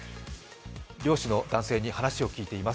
漁師の男性に話を聞いています。